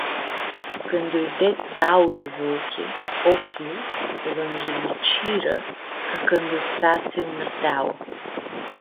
Cãndu lj-li ded dauli vulchi, ochlji lj-ãnghilicirã ca cãndu s-fatsi unã steau.